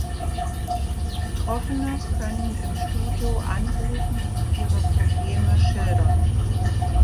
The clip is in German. Betroffene können im Studio anrufen und ihre Probleme schildern.